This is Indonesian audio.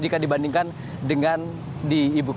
jika dibandingkan dengan di ibu kota